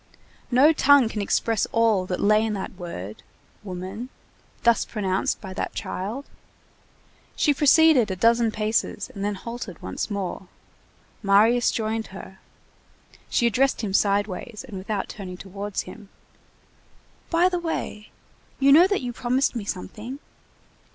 No tongue can express all that lay in that word, woman, thus pronounced by that child. She proceeded a dozen paces and then halted once more; Marius joined her. She addressed him sideways, and without turning towards him:— "By the way, you know that you promised me something?"